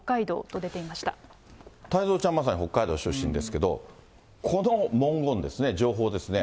太蔵ちゃん、まさに北海道出身ですけれども、この文言ですね、情報ですね。